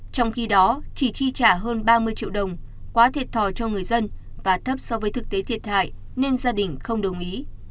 trong khi đó chỉ chi trả hơn ba mươi triệu đồng quá thiệt thòi cho người dân và thấp so với thực tế thiệt hại nên gia đình không đồng ý